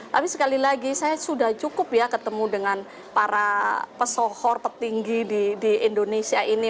tapi sekali lagi saya sudah cukup ya ketemu dengan para pesohor petinggi di indonesia ini